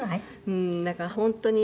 だから本当に。